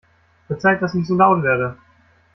Verzeiht, dass ich so laut werde!